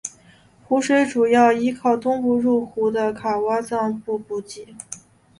湖水主要依靠东部入湖的卡挖臧布补给。